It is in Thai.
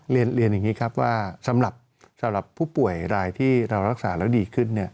เรียนอย่างนี้ครับว่าสำหรับผู้ป่วยรายที่เรารักษาแล้วดีขึ้น